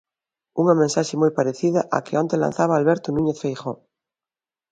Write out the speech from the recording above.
Unha mensaxe moi parecida á que onte lanzaba Alberto Núñez Feijóo.